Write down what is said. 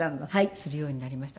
するようになりました